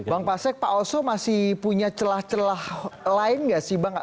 bang pasek pak oso masih punya celah celah lain nggak sih bang